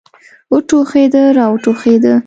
وټوخېده را وټوخېده.